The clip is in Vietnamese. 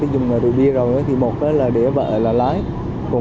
chúc kiểm tra nồng độ cồn